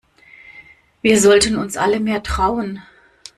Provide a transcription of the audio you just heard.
Wir sollten uns alle mehr trauen.